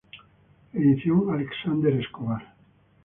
Edición: Alexander Escobar.